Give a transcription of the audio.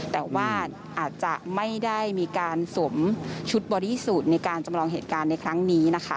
แต่ว่าอาจจะไม่ได้มีการสวมชุดบอดี้สูตรในการจำลองเหตุการณ์ในครั้งนี้นะคะ